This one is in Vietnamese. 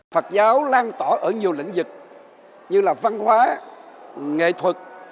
phật giáo lan tỏ ở nhiều lĩnh vực như là văn hóa nghệ thuật